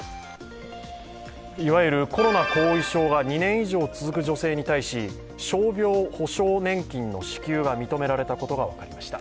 いわゆるコロナ後遺症が２年以上続く女性に対し、傷病補償年金の支給が認められたことが分かりました。